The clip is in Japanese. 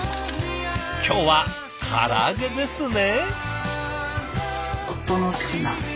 今日はから揚げですね？